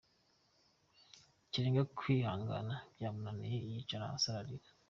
Kirenga kwihangana byamunaniye yicara hasi ararira.